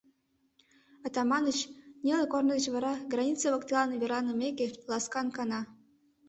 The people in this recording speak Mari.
Атаманыч, неле корно деч вара граница воктелан верланымеке, ласкан кана.